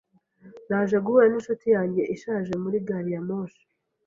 Naje guhura ninshuti yanjye ishaje muri gari ya moshi.